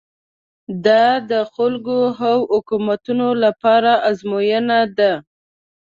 دا د خلکو او حکومتونو لپاره ازموینه ده.